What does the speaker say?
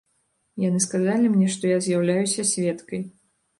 Яны сказалі мне, што я з'яўляюся сведкай.